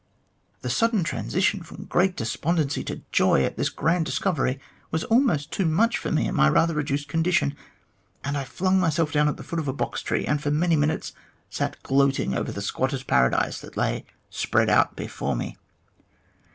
The sudden transition from great despondency to joy at this grand discovery was almost too much for me in my rather reduced condition, and I flung myself down at the foot of a box tree, and for many minutes sat gloating over the squatters' paradise that lay spread out before me.